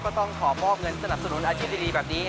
ก็ต้องขอมอบเงินสนับสนุนอาชีพดีแบบนี้